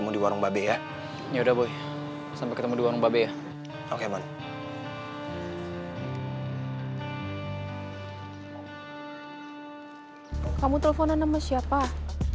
kok parah banget sih